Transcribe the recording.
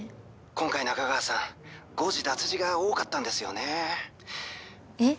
☎今回仲川さん誤字脱字が多かったんですよねえっ？